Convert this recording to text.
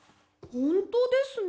ほんとですね。